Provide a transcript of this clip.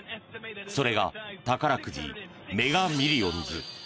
それが宝くじメガ・ミリオンズ。